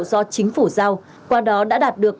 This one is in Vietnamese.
do chính phủ giao qua đó đã đạt được